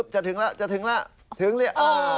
จะถึงแล้วดี